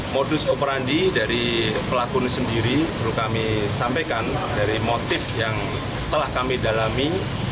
modus operandi dari pelaku ini sendiri perlu kami sampaikan dari motif yang setelah kami dalami